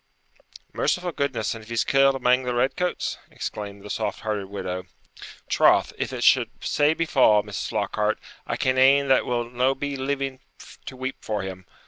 'Merciful goodness! and if he's killed amang the redcoats!' exclaimed the soft hearted widow. 'Troth, if it should sae befall, Mrs. Flockhart, I ken ane that will no be living to weep for him.